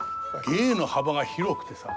芸の幅が広くてさ。